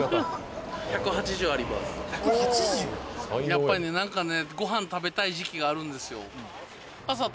やっぱりね何かね